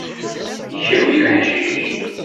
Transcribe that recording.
Kemm i leḥcic.